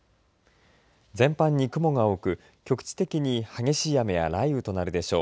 全般に雲が多く、局地的に激しい雨や雷雨となるでしょう。